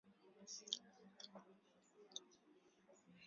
Kupe jike mwenye rangi ya bluu hubeba vimelea